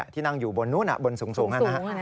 ที่นั่งอยู่บนนู้นบนสูงนั่นนะฮะ